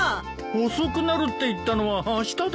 遅くなるって言ったのはあしただぞ。